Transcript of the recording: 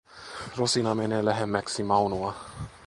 Rosina menee lähemmäksi Maunoa.